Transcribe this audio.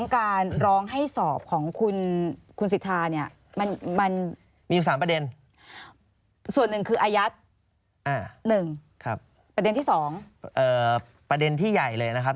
ประเด็นที่ใหญ่เลยนะครับ